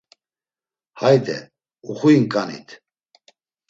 Hayde uxuyinǩanit.